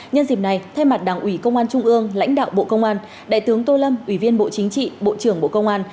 nhân dịp này thay mặt đảng ủy công an trung ương lãnh đạo bộ công an đại tướng tô lâm ủy viên bộ chính trị bộ trưởng bộ công an